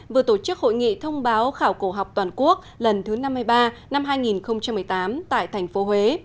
vừa tổ chức hội nghị thông báo khảo cổ học toàn quốc lần thứ năm mươi ba năm hai nghìn một mươi tám tại thành phố huế